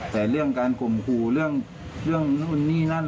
แต่เรื่องการข่มขู่เรื่องนู่นนี่นั่น